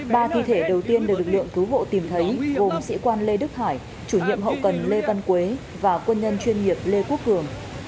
ba thi thể đầu tiên được lực lượng cứu hộ tìm thấy gồm sĩ quan lê đức hải chủ nhiệm hậu cần lê văn quế và quân nhân chuyên nghiệp lê quốc cường